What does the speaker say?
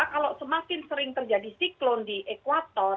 kalau semakin sering terjadi siklon di ekwator